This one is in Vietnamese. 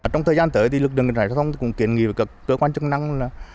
trong thời gian tới thì lực lượng cảnh sát giao thông cũng kiến nghị với các cơ quan chức năng